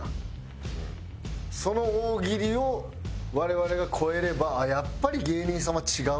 その大喜利を我々が超えればやっぱり芸人さんは違うんだと。